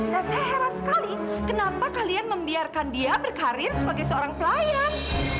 dan saya heran sekali kenapa kalian membiarkan dia berkarir sebagai seorang pelayan